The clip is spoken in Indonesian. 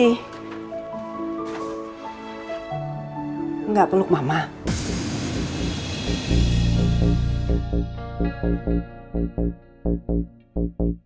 enggak peluk mama